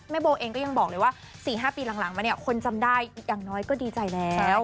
โบเองก็ยังบอกเลยว่า๔๕ปีหลังมาเนี่ยคนจำได้อีกอย่างน้อยก็ดีใจแล้ว